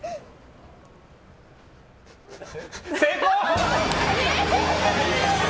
成功！